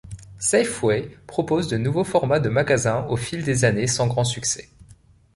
Safeway propose de nouveaux formats de magasins au fil des années sans grand succès.